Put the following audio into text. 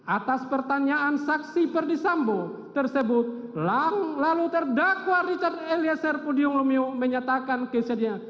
atas pertanyaan saksi perdisambo tersebut lalu terdakwa richard eliezer pudium lumiu menyatakan kesediaan